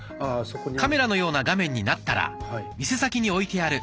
カメラのような画面になったら店先に置いてある